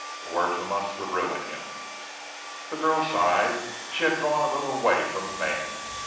A word from us would ruin him." The girl sighed. She had drawn a little away from the man.